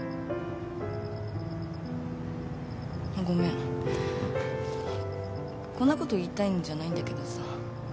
あっごめんこんなこと言いたいんじゃないんだけどさ。